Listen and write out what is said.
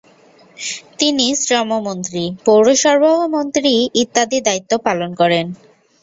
তিনি শ্রমমন্ত্রী, পৌর সরবরাহ মন্ত্রী ইত্যাদি দায়িত্ব পালন করেন।